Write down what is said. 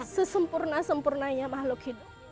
sesempurna sempurnanya mahluk hidup